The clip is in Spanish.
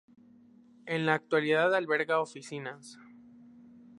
En la actualidad alberga oficinas.